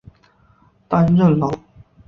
担任劳模。